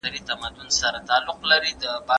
سود د ټولني اقتصاد تباه کوي.